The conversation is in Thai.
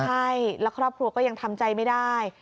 ใช่แล้วครอบครัวก็ยังทำใจไม่ได้